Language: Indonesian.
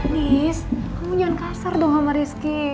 nis kamu jangan kasar dong sama rizky